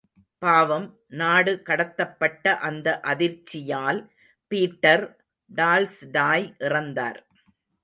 பாவம், நாடு கடத்தப்பட்ட அந்த அதிர்ச்சியால் பீட்டர் டால்ஸ்டாய் இறந்தார்.